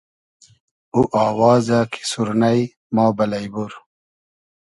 او آوازۂ کی سورنݷ ما بئلݷ بور